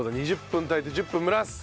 ２０分炊いて１０分蒸らす。